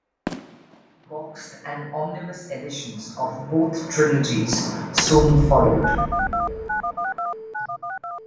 Boxed and omnibus editions of both trilogies soon followed.